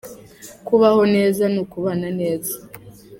Kubaho neza nu kubana neza.